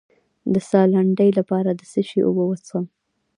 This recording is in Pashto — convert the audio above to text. د ساه لنډۍ لپاره د څه شي اوبه وڅښم؟